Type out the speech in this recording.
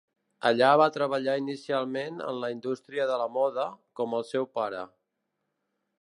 Allà va treballar inicialment en la indústria de la moda, com el seu pare.